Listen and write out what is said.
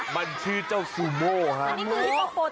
มันชื่อเจ้าซูโม้ไม่ใช่ฮิปโป